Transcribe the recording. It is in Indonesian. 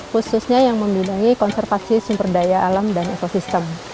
khususnya yang membinai konservasi sumber daya alam dan ekosistem